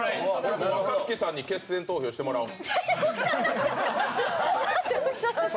若槻さんに決選投票してもらおう。